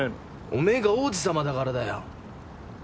おめぇが王子様だからだよ